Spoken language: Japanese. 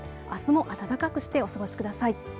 あすも暖かくしてお過ごしください。